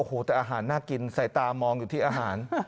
โอ้โหแต่อาหารน่ากินใส่ตามองอยู่ที่อาหาร